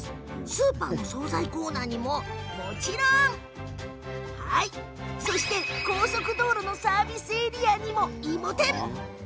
スーパーの総菜コーナーにももちろん高速道路のサービスエリアにもいも天。